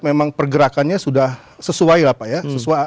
memang pergerakannya sudah sesuai lah pak ya